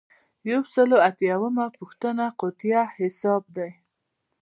یو سل او اته اویایمه پوښتنه قطعیه حساب دی.